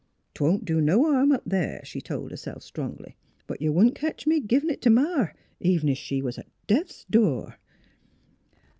" 'Twon't do no harm up there," she told her self strongly. " But you wouldn't ketch me a giv in' it t' Ma, even if she was at death's door."